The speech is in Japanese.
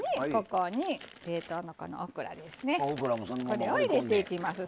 これを入れていきます。